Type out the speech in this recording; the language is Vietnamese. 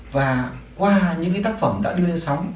và qua những cái tác phẩm đã đưa lên sóng